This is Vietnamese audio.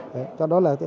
đấy cho đó là thế này